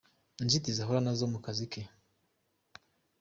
Inzitizi ahura nazo mu kazi ke.